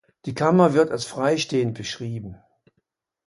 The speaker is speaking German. Die Kammer wird als freistehend beschrieben.